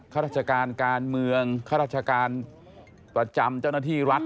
ข้าราชการการเมืองข้าราชการประจำเจ้าหน้าที่รัฐ